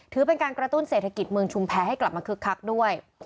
ถือเป็นการกระตุ้นเศรษฐกิจเมืองชุมแพรให้กลับมาคึกคักด้วย